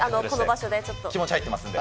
気持ち入ってますんで。